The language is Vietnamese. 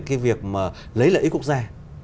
cái việc mà lấy lợi ích quốc gia